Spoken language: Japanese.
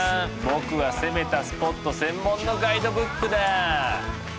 僕は攻めたスポット専門のガイドブックだ。